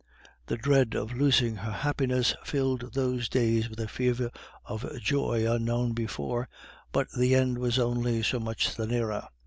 The dread of losing her happiness filled those days with a fever of joy unknown before, but the end was only so much the nearer.